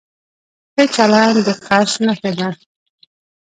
ښه چلند د خرڅ نښه ده.